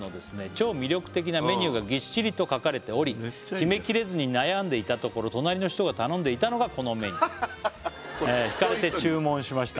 超魅力的なメニューがぎっしりと書かれており決めきれずに悩んでいたところ隣の人が頼んでいたのがこのメニューひかれて注文しました